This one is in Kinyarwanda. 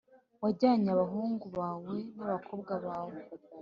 wajyanye abahungu bawe n’abakobwa bawe